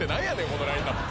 このラインアップ。